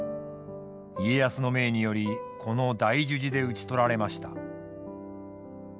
家康の命によりこの大樹寺で討ち取られました。